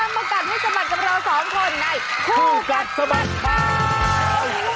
แล้วเวลามากัดให้สมัดกับเราสองคนในคู่กัดสมัดเบา